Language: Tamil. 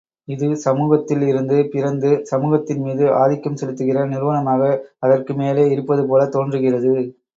இது சமூகத்தில் இருந்து பிறந்து, சமூகத்தின் மீது ஆதிக்கம் செலுத்துகிற நிறுவனமாக அதற்கு மேலே இருப்பது போலத் தோன்றுகிறது.